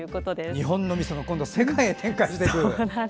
日本のみそが今度は世界へ展開していく。